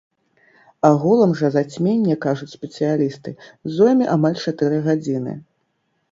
Агулам жа зацьменне, кажуць спецыялісты, зойме амаль чатыры гадзіны.